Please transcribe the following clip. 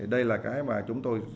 đây là cái mà chúng tôi